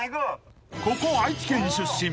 ［ここ愛知県出身］